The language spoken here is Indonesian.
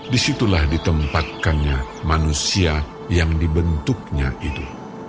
disitulah ditempatkannya manusia yang dibentuknya itu